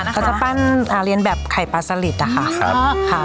เขาจะปั้นเรียนแบบไข่ปลาสลิดอะค่ะ